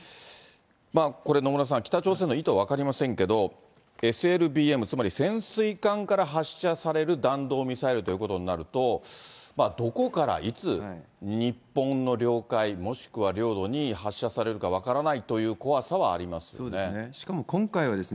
これ野村さん、北朝鮮の意図は分かりませんけど、ＳＬＢＭ、つまり潜水艦から発射される弾道ミサイルということになると、どこから、いつ、日本の領海、もしくは領土に発射されるか分からないという怖さはありますよね。